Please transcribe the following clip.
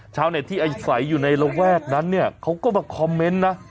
ชาวเน็ตที่อาศัยอยู่ในระแวกนั้นเนี่ยเขาก็มาคอมเมนต์นะ